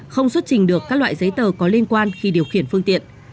không xuất trình được các loại giấy tờ có liên quan khi điều khiển phương tiện